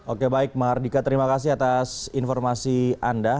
oke baik mardika terima kasih atas informasi anda